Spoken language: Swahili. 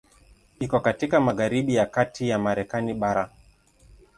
Iko katika magharibi ya kati ya Marekani bara.